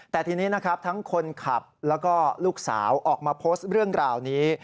แต่ทีนี้นะครับทั้งคนขับแล้วก็ลูกสาวออกมาโพสต์เรื่องราวนี้